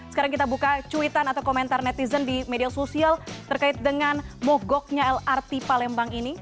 sekarang kita buka cuitan atau komentar netizen di media sosial terkait dengan mogoknya lrt palembang ini